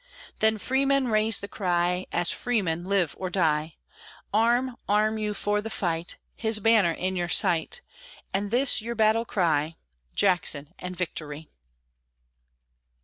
Then, freemen, raise the cry, As freemen live or die! Arm! arm you for the fight! His banner in your sight; And this your battle cry, "Jackson and victory!"